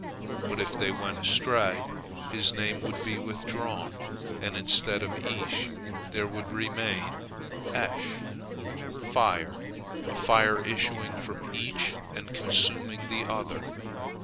But if they went astray, His name would be withdrawn, and instead of Ish there would remain Esh, fire, a fire issuing from each and consuming the other.